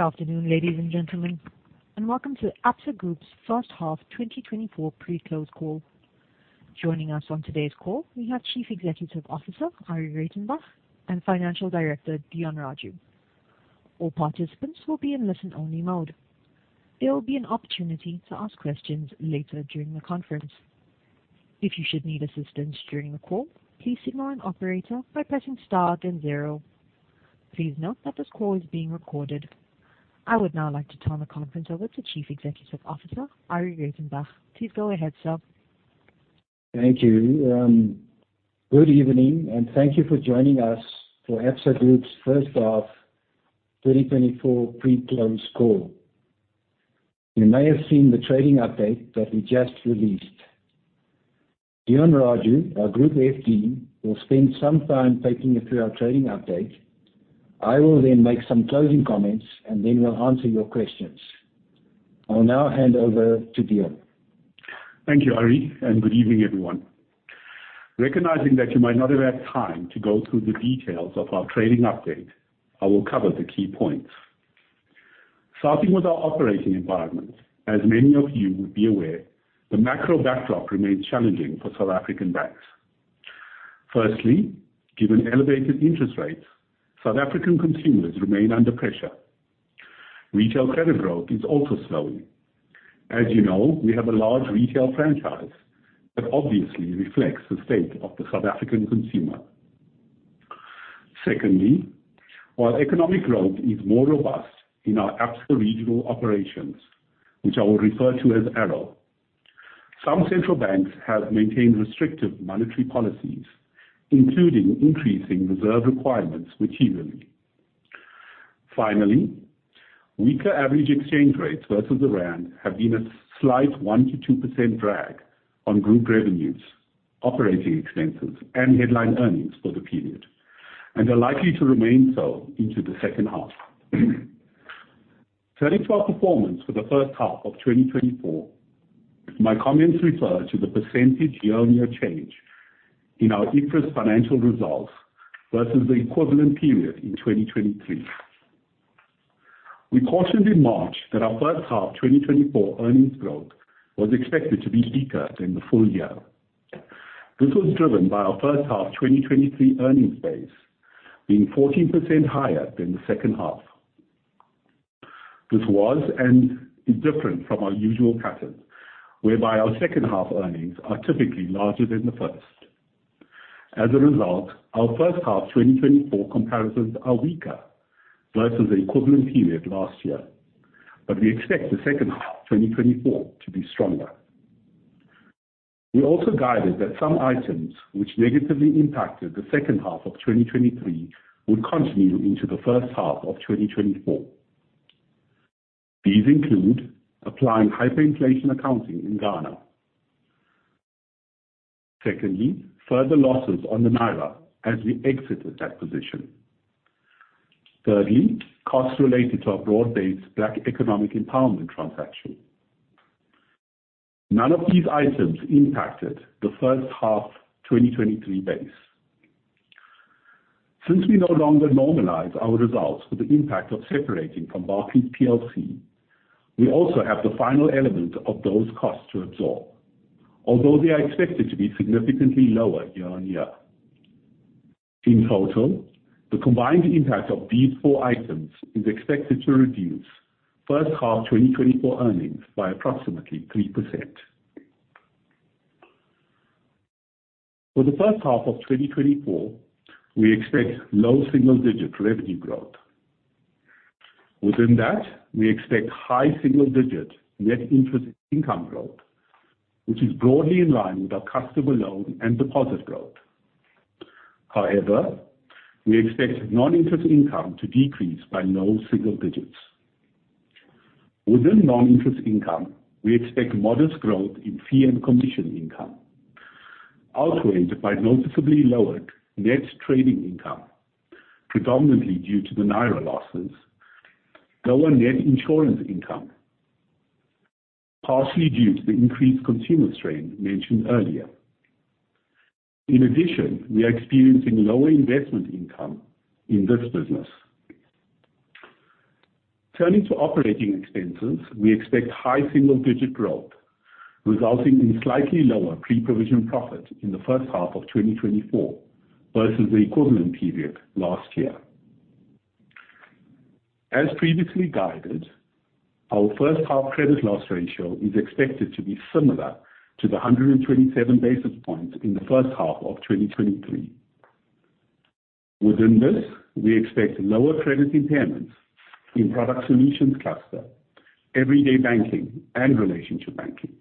Good afternoon, ladies and gentlemen, and welcome to Absa Group's first half 2024 pre-close call. Joining us on today's call, we have Chief Executive Officer, Arrie Rautenbach, and Financial Director, Deon Raju. All participants will be in listen-only mode. There will be an opportunity to ask questions later during the conference. If you should need assistance during the call, please signal an operator by pressing star then zero. Please note that this call is being recorded. I would now like to turn the conference over to Chief Executive Officer, Arrie Rautenbach. Please go ahead, sir. Thank you. Good evening, and thank you for joining us for Absa Group's first half 2024 pre-close call. You may have seen the trading update that we just released. Deon Raju, our Group FD, will spend some time taking you through our trading update. I will then make some closing comments, and then we'll answer your questions. I'll now hand over to Deon. Thank you, Arrie, and good evening, everyone. Recognizing that you might not have had time to go through the details of our trading update, I will cover the key points. Starting with our operating environment, as many of you would be aware, the macro backdrop remains challenging for South African banks. Firstly, given elevated interest rates, South African consumers remain under pressure. Retail credit growth is also slowing. As you know, we have a large retail franchise that obviously reflects the state of the South African consumer. Secondly, while economic growth is more robust in our Absa Regional Operations, which I will refer to as ARO, some central banks have maintained restrictive monetary policies, including increasing reserve requirements materially. Finally, weaker average exchange rates versus the rand have been a slight 1%-2% drag on group revenues, operating expenses, and headline earnings for the period, and are likely to remain so into the second half. Turning to our performance for the first half of 2024, my comments refer to the percentage year-on-year change in our interim financial results versus the equivalent period in 2023. We cautioned in March that our first half 2024 earnings growth was expected to be weaker than the full year. This was driven by our first half 2023 earnings base being 14% higher than the second half. This was and is different from our usual pattern, whereby our second half earnings are typically larger than the first. As a result, our first half 2024 comparisons are weaker versus the equivalent period last year, but we expect the second half 2024 to be stronger. We also guided that some items which negatively impacted the second half of 2023 would continue into the first half of 2024. These include applying hyperinflation accounting in Ghana. Secondly, further losses on the naira as we exited that position. Thirdly, costs related to our Broad-Based Black Economic Empowerment transaction. None of these items impacted the first half 2023 base. Since we no longer normalize our results for the impact of separating from Barclays PLC, we also have the final element of those costs to absorb, although they are expected to be significantly lower year-on-year. In total, the combined impact of these four items is expected to reduce first half 2024 earnings by approximately 3%. For the first half of 2024, we expect low single-digit revenue growth. Within that, we expect high single-digit net interest income growth, which is broadly in line with our customer loan and deposit growth. However, we expect non-interest income to decrease by low single digits. Within non-interest income, we expect modest growth in fee and commission income, outweighed by noticeably lowered net trading income, predominantly due to the Naira losses, lower net insurance income, partially due to the increased consumer strain mentioned earlier. In addition, we are experiencing lower investment income in this business. Turning to operating expenses, we expect high single-digit growth, resulting in slightly lower pre-provision profit in the first half of 2024 versus the equivalent period last year. As previously guided, our first half credit loss ratio is expected to be similar to the 127 basis points in the first half of 2023. Within this, we expect lower credit impairments in Product Solutions Cluster, Everyday Banking, and Relationship Banking.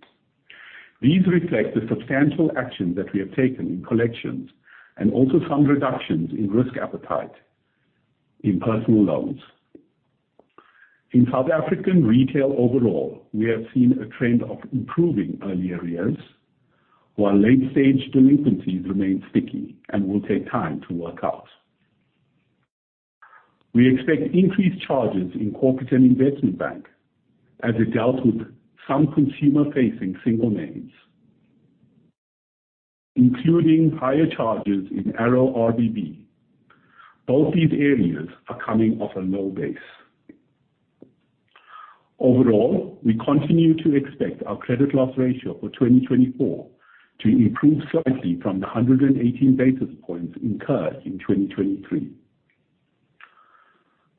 These reflect the substantial action that we have taken in collections and also some reductions in risk appetite in personal loans. In South African retail overall, we have seen a trend of improving early arrears, while late-stage delinquencies remain sticky and will take time to work out. We expect increased charges in Corporate and Investment Bank as we dealt with some consumer-facing single names, including higher charges in ARO RBB. Both these areas are coming off a low base. Overall, we continue to expect our credit loss ratio for 2024 to improve slightly from the 118 basis points incurred in 2023.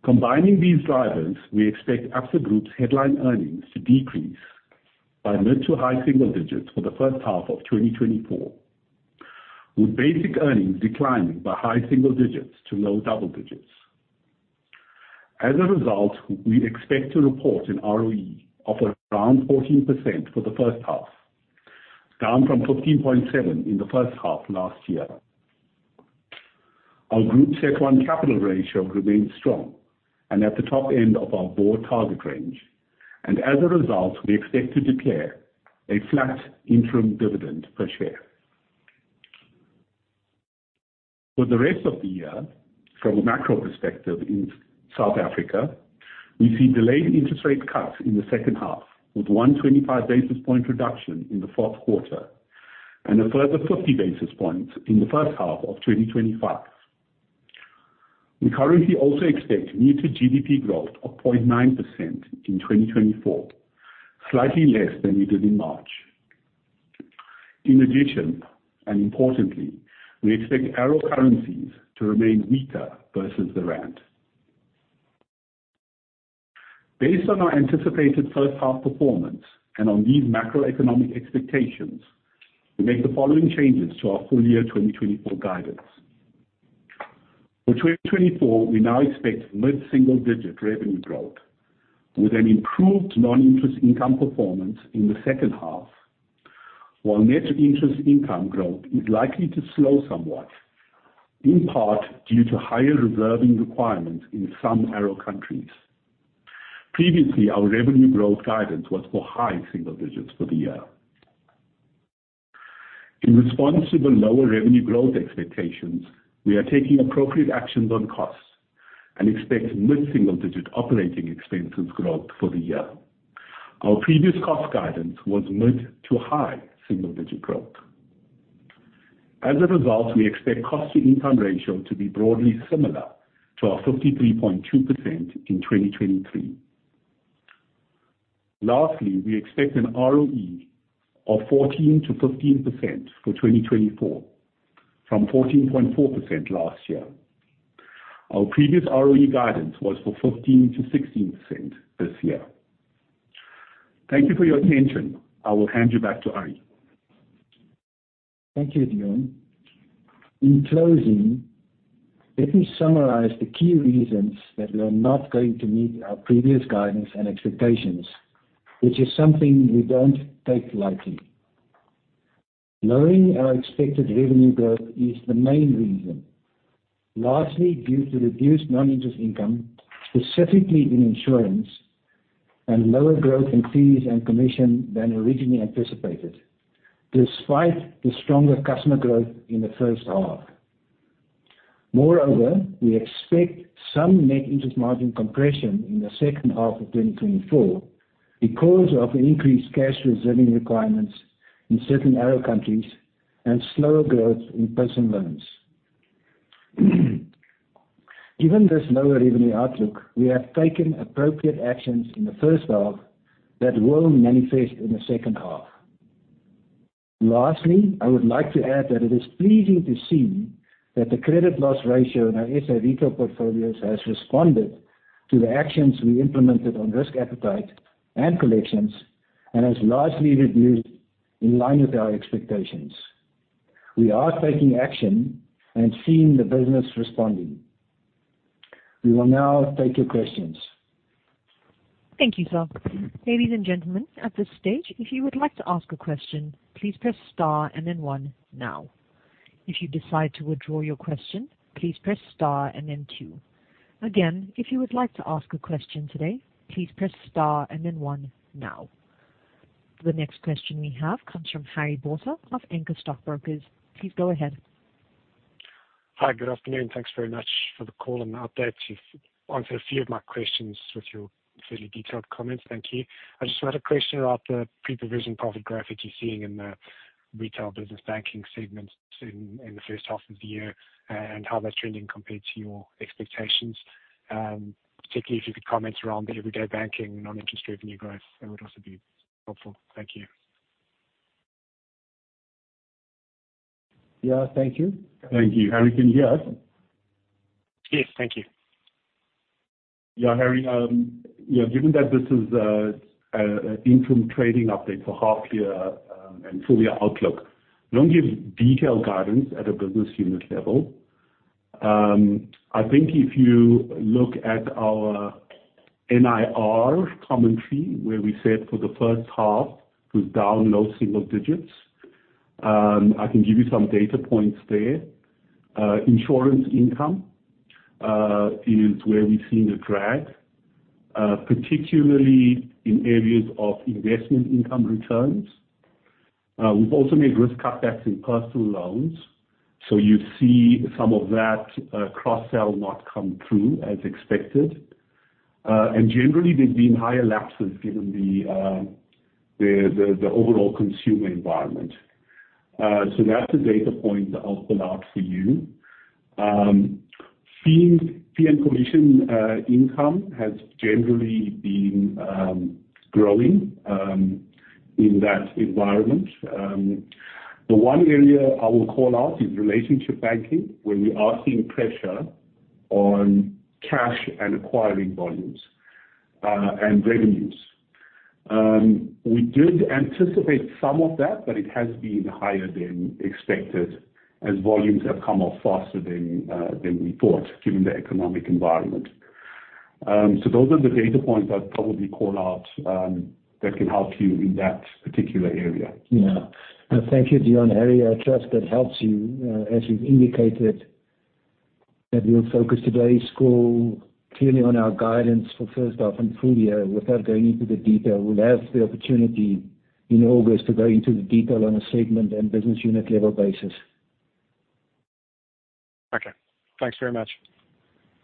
Combining these drivers, we expect Absa Group's headline earnings to decrease by mid- to high single digits for the first half of 2024, with basic earnings declining by high single digits to low double digits. As a result, we expect to report an ROE of around 14% for the first half, down from 15.7% in the first half last year. Our Group CET1 capital ratio remains strong and at the top end of our Board target range, and as a result, we expect to declare a flat interim dividend per share. For the rest of the year, from a macro perspective in South Africa, we see delayed interest rate cuts in the second half, with a 125 basis points reduction in the fourth quarter and a further 50 basis points in the first half of 2025. We currently also expect muted GDP growth of 0.9% in 2024, slightly less than we did in March. In addition, and importantly, we expect ARO currencies to remain weaker versus the rand. Based on our anticipated first half performance and on these macroeconomic expectations, we make the following changes to our full-year 2024 guidance. For 2024, we now expect mid-single-digit revenue growth, with an improved non-interest income performance in the second half, while net interest income growth is likely to slow somewhat, in part due to higher reserve requirements in some ARO countries. Previously, our revenue growth guidance was for high single digits for the year. In response to the lower revenue growth expectations, we are taking appropriate actions on costs and expect mid-single-digit operating expenses growth for the year. Our previous cost guidance was mid- to high single-digit growth. As a result, we expect cost-to-income ratio to be broadly similar to our 53.2% in 2023. Lastly, we expect an ROE of 14%-15% for 2024, from 14.4% last year. Our previous ROE guidance was for 15%-16% this year. Thank you for your attention. I will hand you back to Arrie. Thank you, Deon. In closing, let me summarize the key reasons that we are not going to meet our previous guidance and expectations, which is something we don't take lightly. Lowering our expected revenue growth is the main reason, largely due to reduced non-interest income, specifically in insurance and lower growth in fees and commission than originally anticipated, despite the stronger customer growth in the first half. Moreover, we expect some net interest margin compression in the second half of 2024 because of increased cash reserving requirements in certain ARO countries and slower growth in personal loans. Given this lower revenue outlook, we have taken appropriate actions in the first half that will manifest in the second half. Lastly, I would like to add that it is pleasing to see that the credit loss ratio in our SA Retail portfolios has responded to the actions we implemented on risk appetite and collections, and has largely reduced in line with our expectations. We are taking action and seeing the business responding. We will now take your questions. Thank you, sir. Ladies and gentlemen, at this stage, if you would like to ask a question, please press star and then one now. If you decide to withdraw your question, please press star and then two. Again, if you would like to ask a question today, please press star and then one now. The next question we have comes from Harry Botha of Anchor Stockbrokers. Please go ahead. Hi, good afternoon. Thanks very much for the call and the updates. You've answered a few of my questions with your fairly detailed comments. Thank you. I just had a question about the pre-provision profit graphic you're seeing in the retail business banking segment in the first half of the year, and how that's trending compared to your expectations. Particularly, if you could comment around the everyday banking non-interest revenue growth, that would also be helpful. Thank you. Yeah, thank you. Thank you. Harry, can you hear us? Yes, thank you. Yeah, Harry, yeah, given that this is an interim trading update for half year and full year outlook, we don't give detailed guidance at a business unit level. I think if you look at our NIR commentary, where we said for the first half was down low single digits, I can give you some data points there. Insurance income is where we've seen a drag, particularly in areas of investment income returns. We've also made risk cutbacks in personal loans, so you see some of that cross-sell not come through as expected. And generally, there's been higher lapses given the overall consumer environment. So that's the data point that I'll pull out for you. Fee and commission income has generally been growing in that environment. The one area I will call out is relationship banking, where we are seeing pressure on cash and acquiring volumes, and revenues. We did anticipate some of that, but it has been higher than expected, as volumes have come off faster than we thought, given the economic environment. So those are the data points I'd probably call out, that can help you in that particular area. Yeah. Thank you, Deon. Harry, I trust that helps you, as you've indicated, that your focus today is so clearly on our guidance for first half and full year without going into the detail. We'll have the opportunity in August to go into the detail on a segment and business unit level basis. Okay. Thanks very much.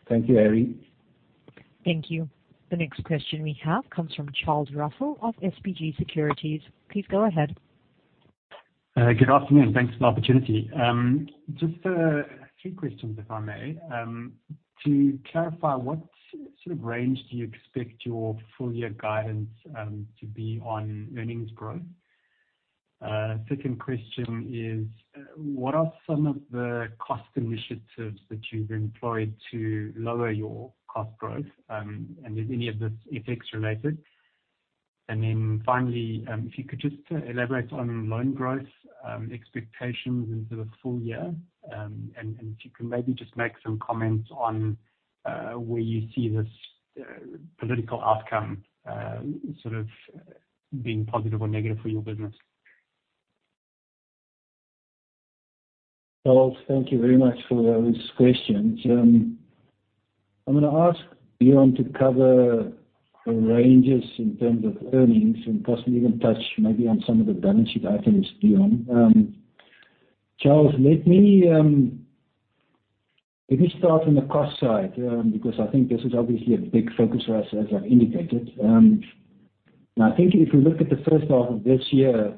Thank you, Harry. Thank you. The next question we have comes from Charles Russell of SBG Securities. Please go ahead. Good afternoon. Thanks for the opportunity. Just three questions, if I may. To clarify, what sort of range do you expect your full year guidance to be on earnings growth? Second question is, what are some of the cost initiatives that you've employed to lower your cost growth, and is any of this FX related? And then finally, if you could just elaborate on loan growth expectations into the full year, and if you can maybe just make some comments on where you see this political outcome sort of being positive or negative for your business. Charles, thank you very much for those questions. I'm gonna ask Deon to cover the ranges in terms of earnings, and possibly even touch maybe on some of the balance sheet items, Deon. Charles, let me start on the cost side, because I think this is obviously a big focus for us, as I've indicated. I think if we look at the first half of this year,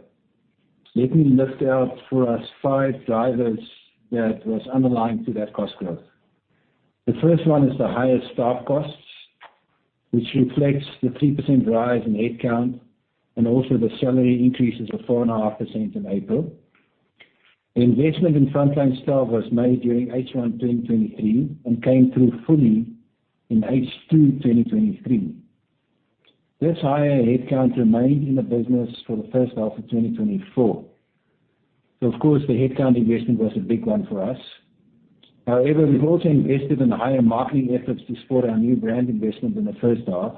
let me list out for us five drivers that was underlying to that cost growth. The first one is the higher staff costs, which reflects the 3% rise in headcount, and also the salary increases of 4.5% in April. Investment in frontline staff was made during H1 2023, and came through fully in H2 2023. This higher headcount remained in the business for the first half of 2024. So of course, the headcount investment was a big one for us. However, we've also invested in higher marketing efforts to support our new brand investment in the first half.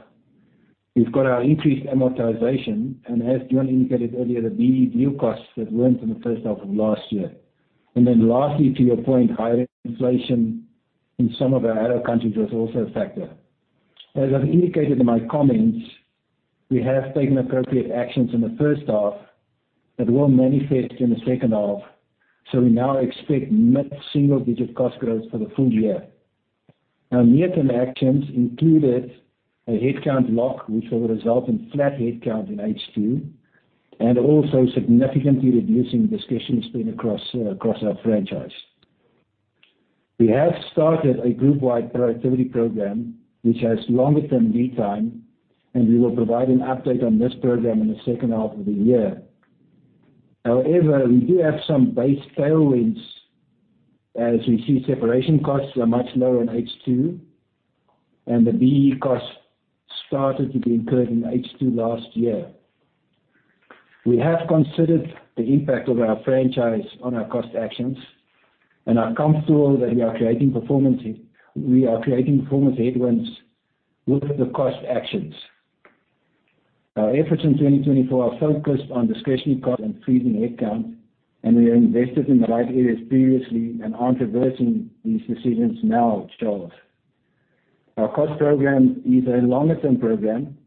We've got our increased amortization, and as Deon indicated earlier, the BEE deal costs that went in the first half of last year. And then lastly, to your point, higher inflation in some of our other countries was also a factor. As I've indicated in my comments, we have taken appropriate actions in the first half that will manifest in the second half, so we now expect mid-single digit cost growth for the full year. Now, near-term actions included a headcount lock, which will result in flat headcount in H2, and also significantly reducing discretionary spend across our franchise. We have started a groupwide productivity program, which has longer term lead time, and we will provide an update on this program in the second half of the year. However, we do have some base tailwinds, as we see separation costs are much lower in H2, and the BEE costs started to be incurred in H2 last year. We have considered the impact of our franchise on our cost actions, and are comfortable that we are creating performance- we are creating performance headwinds with the cost actions. Our efforts in 2024 are focused on discretionary cost and freezing headcount, and we are invested in the right areas previously and aren't reversing these decisions now, Charles. Our cost program is a longer-term program,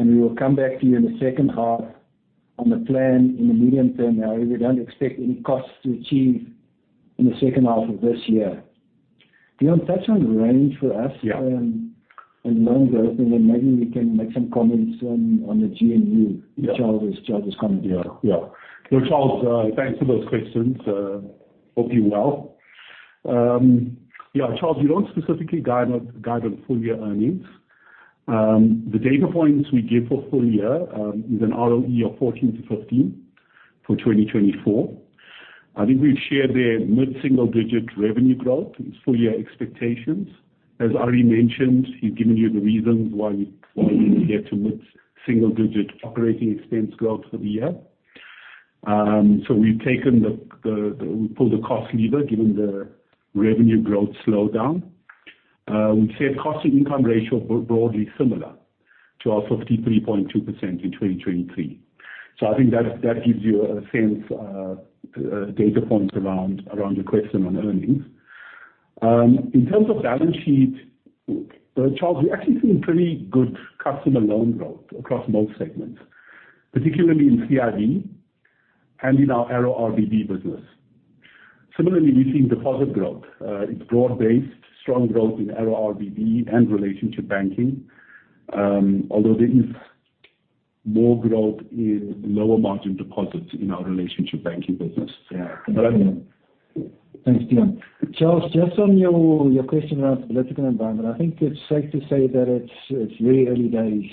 and we will come back to you in the second half on the plan in the medium term. However, we don't expect any costs to achieve in the second half of this year. Deon, touch on the range for us- Yeah. and loan growth, and then maybe we can make some comments on the GNU- Yeah. Charles, Charles's comment. Yeah. Yeah. So Charles, thanks for those questions. Hope you're well. Yeah, Charles, we don't specifically guide on, guide on full-year earnings. The data points we give for full year is an ROE of 14-15 for 2024. I think we've shared the mid-single-digit revenue growth, its full year expectations. As Ari mentioned, he's given you the reasons why we, why we get to mid-single-digit operating expense growth for the year. So we've taken the, we pulled the cost lever, given the revenue growth slowdown. We've said cost to income ratio are broadly similar to our 53.2% in 2023. So I think that, that gives you a sense, data points around, around your question on earnings. In terms of balance sheet, Charles, we're actually seeing pretty good customer loan growth across most segments, particularly in CIB and in our ARO RBB business. Similarly, we've seen deposit growth. It's broad-based, strong growth in ARO and relationship banking. Although there is more growth in lower margin deposits in our relationship banking business. Thanks, Deon. Charles, just on your question around the political environment, I think it's safe to say that it's very early days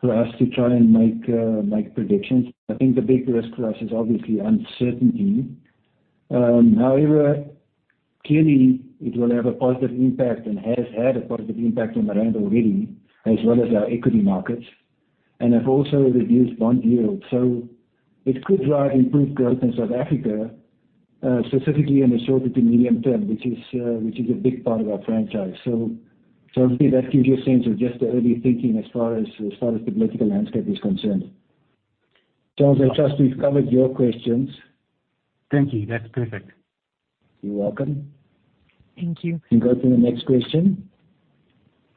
for us to try and make predictions. I think the big risk to us is obviously uncertainty. However, clearly it will have a positive impact and has had a positive impact on the rand already, as well as our equity markets, and have also reduced bond yield. So it could drive improved growth in South Africa, specifically in the shorter to medium term, which is a big part of our franchise. So hopefully that gives you a sense of just the early thinking as far as the political landscape is concerned. Charles, I trust we've covered your questions. Thank you. That's perfect. You're welcome. Thank you. We can go to the next question.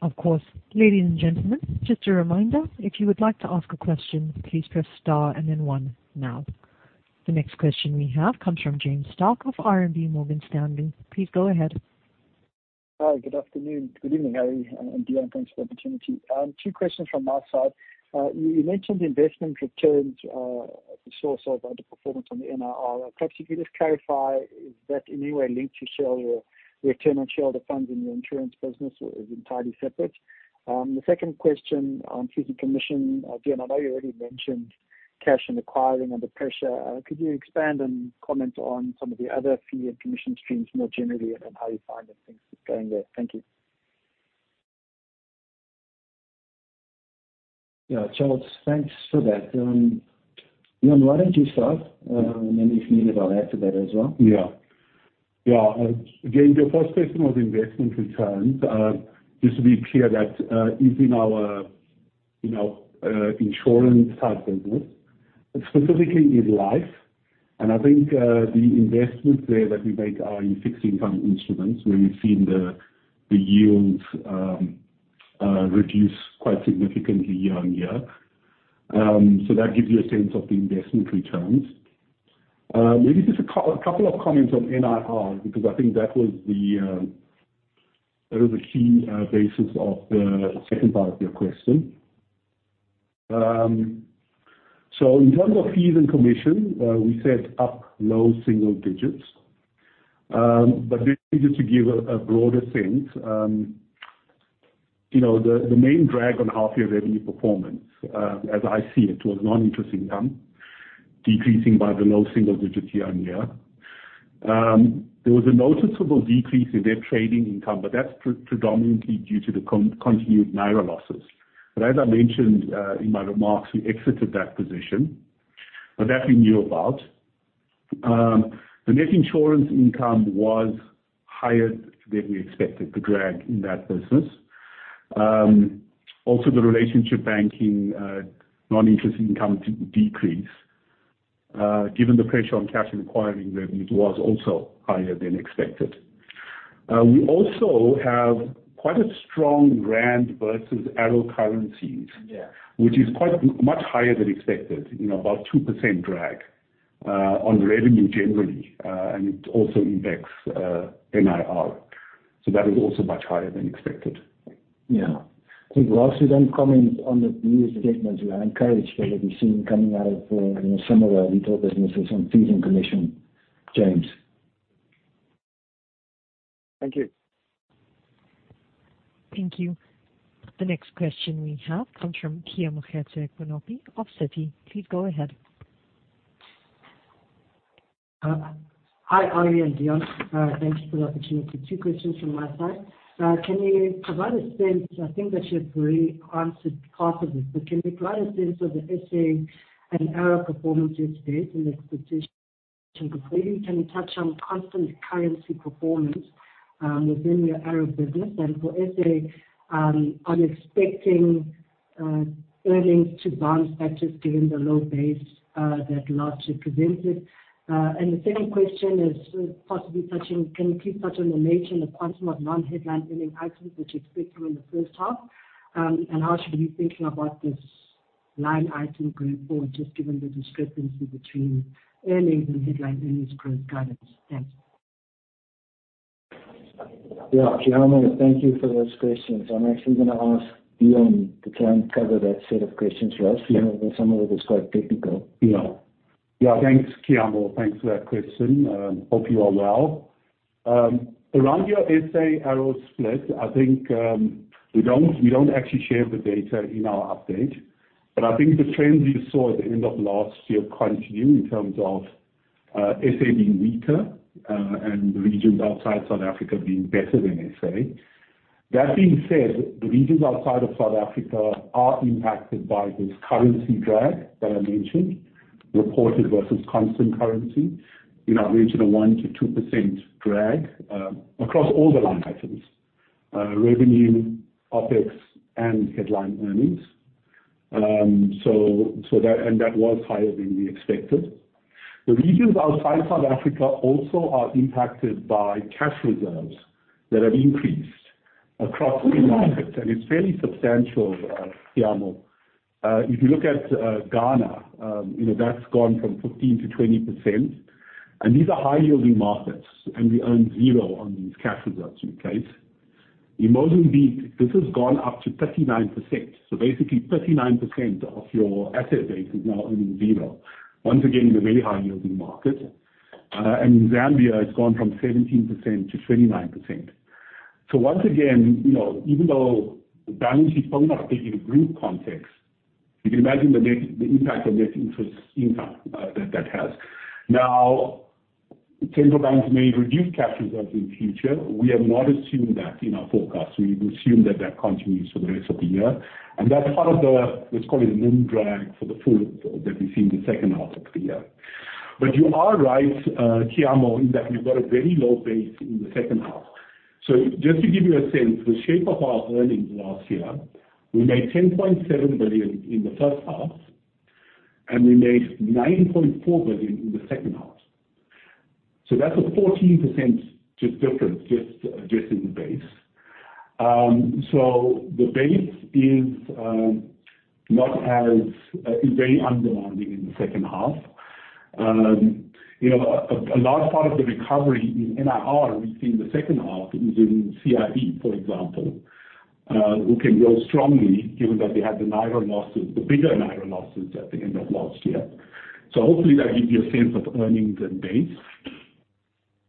Of course. Ladies and gentlemen, just a reminder, if you would like to ask a question, please press star and then one now. The next question we have comes from James Starke of RMB Morgan Stanley. Please go ahead. Hi, good afternoon. Good evening, Harry and Deon. Thanks for the opportunity. Two questions from my side. You, you mentioned investment returns, as the source of underperformance on the NIR. Perhaps you could just clarify, is that in any way linked to shareholder return on shareholder funds in your insurance business or is entirely separate? The second question on fees and commission, Deon, I know you already mentioned cash and acquiring under pressure. Could you expand and comment on some of the other fee and commission streams more generally, and how you find that things are going there? Thank you. Yeah, Charles, thanks for that. Deon, why don't you start, and then if you need, I'll add to that as well. Yeah. Yeah. Again, your first question was investment returns. Just to be clear that is in our, in our, insurance side business, specifically in life. And I think the investments there that we make are in fixed income instruments, where we've seen the yields reduce quite significantly year on year. So that gives you a sense of the investment returns. Maybe just a couple of comments on NIR, because I think that was the key basis of the second part of your question. So in terms of fees and commission, we said up low single digits. But just to give a broader sense, you know, the main drag on half year revenue performance, as I see it, was non-interest income, decreasing by the low single digits year-on-year. There was a noticeable decrease in their trading income, but that's predominantly due to the continued Naira losses. But as I mentioned, in my remarks, we exited that position. But that we knew about. The net insurance income was higher than we expected, the drag in that business. Also, the relationship banking non-interest income decrease. Given the pressure on cash and acquiring revenue was also higher than expected. We also have quite a strong rand versus ARO currencies- Yeah. - which is quite much higher than expected, you know, about 2% drag on revenue generally. And it also impacts NIR. So that is also much higher than expected. Yeah. I think while we don't comment on the newest statements, we are encouraged by what we've seen coming out of some of our retail businesses on fees and commission. James? Thank you. Thank you. The next question we have comes from Keamogetse Moseki of Citi. Please go ahead. Hi, Arrie and Deon. Thank you for the opportunity. Two questions from my side. I think that you've already answered part of it, but can you provide a sense of the SA and ARO performance year-to-date and expectation completion? Can you touch on constant currency performance within your ARO business? And for SA, I'm expecting earnings to bounce, actually, given the low base that last year presented. And the second question is possibly touching; can you please touch on the nature and the quantum of non-headline earning items, which you expect in the first half? And how should we be thinking about this line item going forward, just given the discrepancy between earnings and headline earnings growth guidance? Thanks. Yeah, Keamo, thank you for those questions. I'm actually gonna ask Deon to try and cover that set of questions for us. Yeah. Some of it is quite technical. Yeah. Yeah. Thanks, Keamo. Thanks for that question. Hope you are well. Around your SA ARO split, I think, we don't, we don't actually share the data in our update, but I think the trends we saw at the end of last year continue in terms of, SA being weaker, and the regions outside South Africa being better than SA. That being said, the regions outside of South Africa are impacted by this currency drag that I mentioned, reported versus constant currency. In our region, a 1%-2% drag, across all the line items, revenue, OPEX, and headline earnings. So, that and that was higher than we expected. The regions outside South Africa also are impacted by cash reserves that have increased across many markets, and it's fairly substantial, Keamo. If you look at Ghana, you know, that's gone from 15%-20%. And these are high-yielding markets, and we earn zero on these cash reserves, okay? In Mozambique, this has gone up to 39%. So basically, 39% of your asset base is now earning zero. Once again, a very high-yielding market. And Zambia has gone from 17%-29%. So once again, you know, even though the balance sheet is still not big in a group context, you can imagine the net, the impact on net interest income, that has. Now, central banks may reduce cash reserves in future. We have not assumed that in our forecast. We've assumed that that continues for the rest of the year. That's part of the, let's call it, NIM drag for the full that we see in the second half of the year. But you are right, Keamo, in that we've got a very low base in the second half. So just to give you a sense, the shape of our earnings last year, we made 10.7 billion in the first half, and we made 9.4 billion in the second half. So that's a 14% difference just in the base. So the base is not as is very undemanding in the second half. You know, a large part of the recovery in NII we see in the second half is in CIB, for example, who can grow strongly given that they had the NII losses, the bigger NII losses at the end of last year. So hopefully that gives you a sense of earnings and base.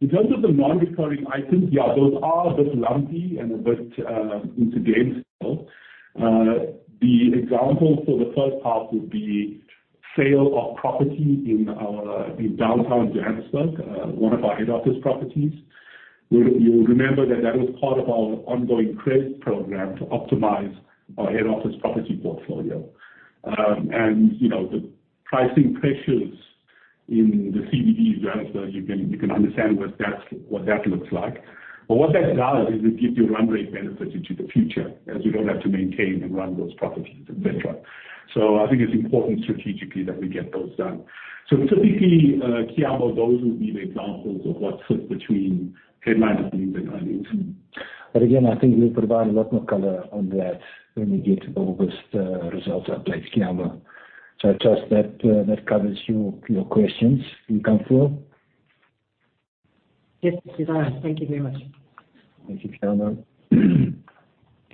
In terms of the non-recurring items, yeah, those are a bit lumpy and a bit endgame style. The example for the first half would be sale of property in our downtown Johannesburg, one of our head office properties. Where you will remember that that was part of our ongoing credit program to optimize our head office property portfolio. And, you know, the pricing pressures in the CBD, Johannesburg, you can understand what that looks like. But what that does is it gives you run rate benefit into the future, as you don't have to maintain and run those properties, et cetera. So I think it's important strategically that we get those done. So typically, Keamo, those would be the examples of what sits between headline and basic earnings. But again, I think we'll provide a lot more color on that when we get to the August results update, Keamo. So I trust that, that covers your, your questions. You comfortable? Yes, it does. Thank you very much. Thank you, Keamo.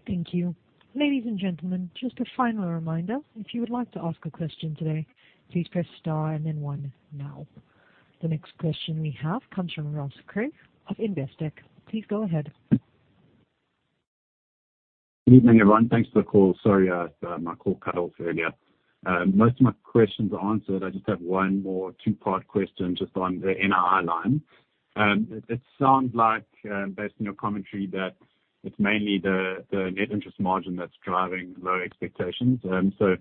Thank you. Ladies and gentlemen, just a final reminder, if you would like to ask a question today, please press star and then one now. The next question we have comes from Ross Kerr of Investec. Please go ahead. Good evening, everyone. Thanks for the call. Sorry, my call cut off earlier. Most of my questions are answered. I just have one more two-part question just on the NII line. It sounds like, based on your commentary, that it's mainly the net interest margin that's driving low expectations. So,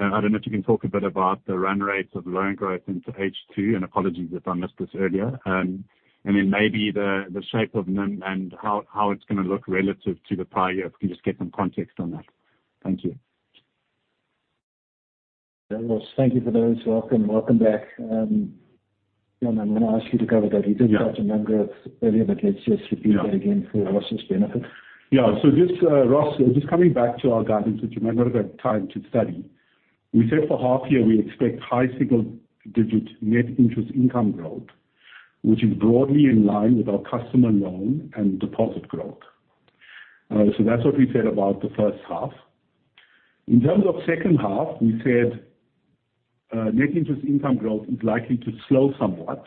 I don't know if you can talk a bit about the run rates of loan growth into H2, and apologies if I missed this earlier. And then maybe the shape of NIM and how it's gonna look relative to the prior year. If you can just get some context on that. Thank you. Yeah, Ross, thank you for those. Welcome, welcome back. Deon, I'm gonna ask you to cover that. Yeah. You did touch on numbers earlier, but let's just repeat that again for Ross's benefit. Yeah. So just, Ross, just coming back to our guidance, which you may not have had time to study. We said for half year, we expect high single digit net interest income growth, which is broadly in line with our customer loan and deposit growth. So that's what we said about the first half. In terms of second half, we said, net interest income growth is likely to slow somewhat.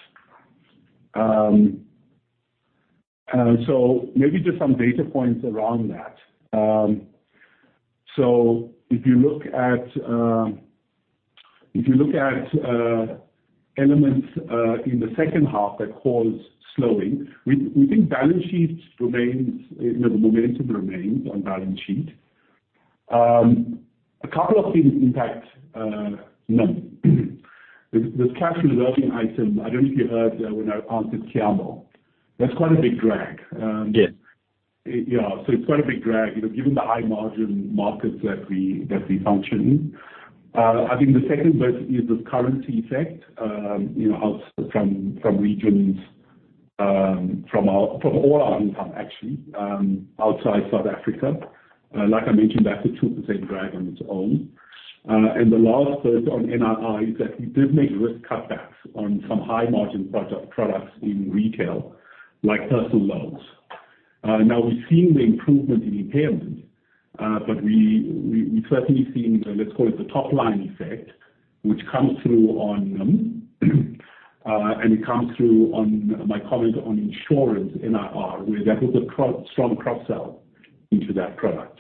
So maybe just some data points around that. So if you look at elements in the second half, that calls slowing. We think balance sheets remains, you know, the momentum remains on balance sheet. A couple of things impact, NIM. The, this cash reserve requirement item, I don't know if you heard, when I answered Keamo. That's quite a big drag. Yes. Yeah. So it's quite a big drag, you know, given the high margin markets that we function in. I think the second bit is this currency effect, you know, out from regions, from all our income actually, outside South Africa. Like I mentioned, that's a 2% drag on its own. And the last bit on NII is that we did make risk cutbacks on some high margin products in retail, like personal loans. Now we've seen the improvement in impairment, but we've certainly seen, let's call it the top line effect, which comes through on NIM. And it comes through on my comment on insurance NII, where there is a strong cross-sell into that product.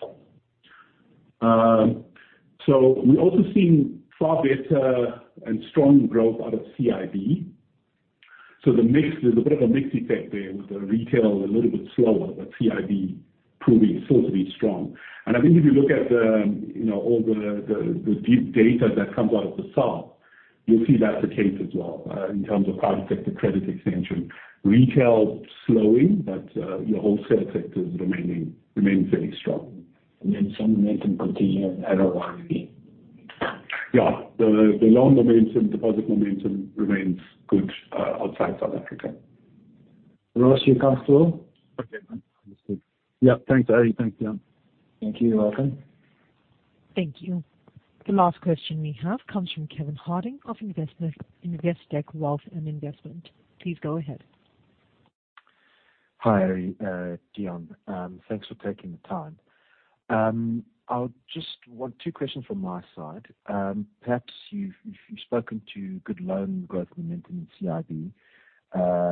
So we've also seen far better and strong growth out of CIB. So the mix, there's a bit of a mix effect there, with the retail a little bit slower, but CIB proving still to be strong. And I think if you look at the, you know, all the deep data that comes out of the South, you'll see that's the case as well, in terms of private sector credit expansion. Retail slowing, but, your wholesale sector is remaining, remains very strong. And then some momentum continue in ARO. Yeah. The loan momentum, deposit momentum remains good outside South Africa. Ross, you're comfortable?... Yep, yep, thanks, Arrie. Thanks, Deon. Thank you. You're welcome. Thank you. The last question we have comes from Kevin Harding of Investec Wealth and Investment. Please go ahead. Hi, Arrie, Deon. Thanks for taking the time. I just want two questions from my side. Perhaps you've, you've spoken to good loan growth momentum in CIB.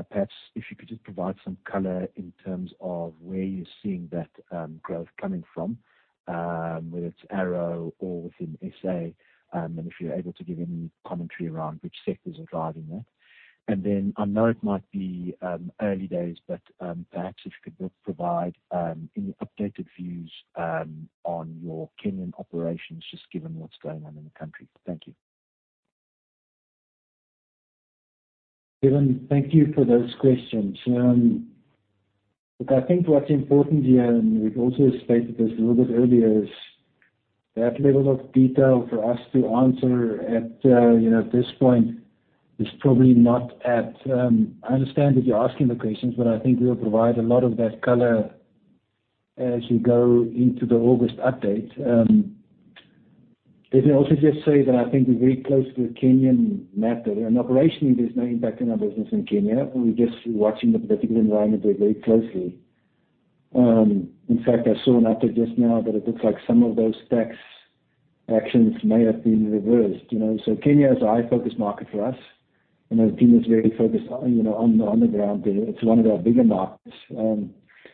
Perhaps if you could just provide some color in terms of where you're seeing that growth coming from, whether it's ARO or within SA, and if you're able to give any commentary around which sectors are driving that. Then I know it might be early days, but perhaps if you could both provide any updated views on your Kenyan operations, just given what's going on in the country. Thank you. Kevin, thank you for those questions. Look, I think what's important here, and we've also stated this a little bit earlier, is that level of detail for us to answer at, you know, at this point is probably not at... I understand that you're asking the questions, but I think we'll provide a lot of that color as we go into the August update. Let me also just say that I think we're very close to the Kenyan matter, and operationally, there's no impact on our business in Kenya. We're just watching the political environment very closely. In fact, I saw an update just now that it looks like some of those tax actions may have been reversed. You know, so Kenya is a high-focus market for us, and our team is very focused on, you know, on the, on the ground there. It's one of our bigger markets.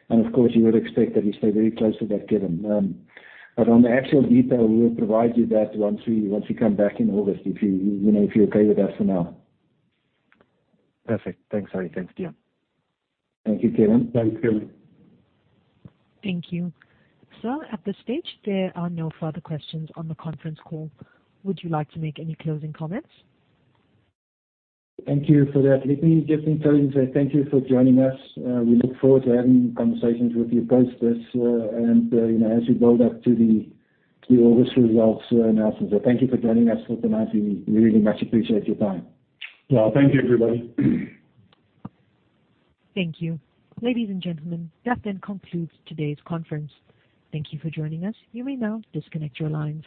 And of course, you would expect that we stay very close to that, Kevin. But on the actual detail, we will provide you that once we, once we come back in August, if you, you know, if you're okay with that for now. Perfect. Thanks, Arrie. Thanks, Deon. Thank you, Kevin. Thanks, Kevin. Thank you. So at this stage, there are no further questions on the conference call. Would you like to make any closing comments? Thank you for that. Let me just in turn say thank you for joining us. We look forward to having conversations with you post this, and, you know, as we build up to the August results announcement. So thank you for joining us for tonight. We really much appreciate your time. Yeah. Thank you, everybody. Thank you. Ladies and gentlemen, that then concludes today's conference. Thank you for joining us. You may now disconnect your lines.